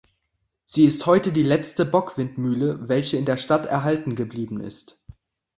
Sie ist heute die letzte Bockwindmühle, welche in der Stadt erhalten geblieben ist.